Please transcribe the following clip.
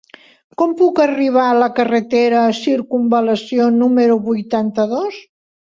Com puc arribar a la carretera Circumval·lació número vuitanta-dos?